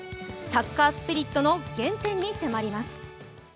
サッカースピリットの原点に迫ります。